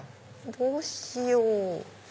どうしよう？